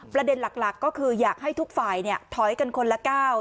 ประเด็นหลักก็คืออยากให้ทุกฝ่ายถอยกันคนละก้าว